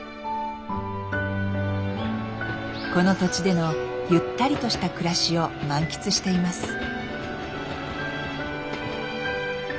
この土地でのゆったりとした暮らしを満喫しています。